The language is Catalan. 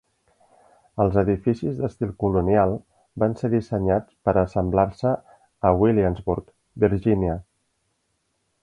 Els edificis d'estil colonial van ser dissenyats per assemblar-se a Williamsburg, Virginia.